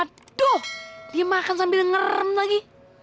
aduh dia makan sambil ngerem lagi